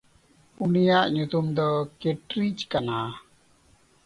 ᱩᱱᱤᱭᱟᱜ ᱧᱩᱛᱩᱢ ᱫᱚ ᱠᱮᱴᱨᱤᱪᱠ ᱠᱟᱱᱟ᱾